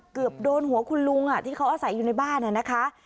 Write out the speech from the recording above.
เกือบโดนหัวคุณลุงอ่ะที่เขาเอาใส่อยู่ในบ้านน่ะนะคะ